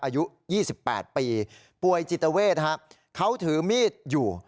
อายุยี่สิบแปดปีป่วยจิตเวทฮะเขาถือมีดอยู่